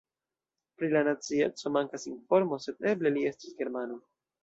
Pri la nacieco mankas informo, sed eble li estis germano.